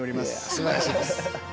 すばらしいです。